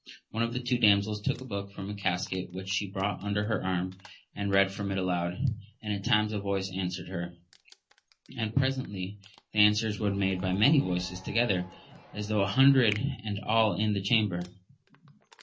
One of the damsels took a book from a casket which she brought under her arm, and read from it aloud, and at times a voice answered her, and presently the an swers were made by many voices together, as tho' an hundred, and all in the chamber.